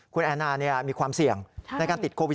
คุณแอนนามีความเสี่ยงในการติดโควิด